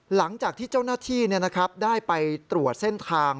หลังจากที่เจ้าหน้าที่ได้ไปตรวจเส้นทาง